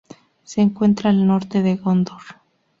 Se encuentra al norte de Gondor.